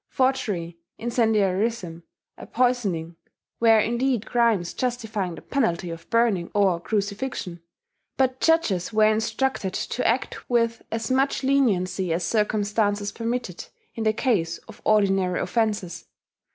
Forgery, incendiarism, and poisoning were indeed crimes justifying the penalty of burning or crucifixion; but judges were instructed to act with as much leniency as circumstances permitted in the case of ordinary offences.